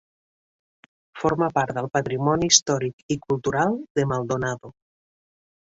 Forma part del patrimoni històric i cultural de Maldonado.